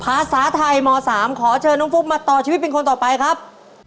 ภาษาไทยม๓ขอเชิญน้องฟุ๊กมาต่อชีวิตเป็นคนต่อไปครับ